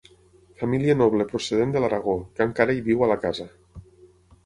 Família noble procedent de l'Aragó, que encara hi viu a la casa.